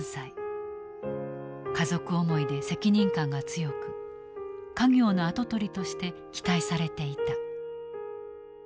家族思いで責任感が強く家業の跡取りとして期待されていた。